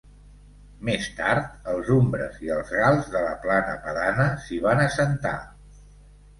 Més tard, els umbres i els gals de la Plana Padana s'hi van assentar.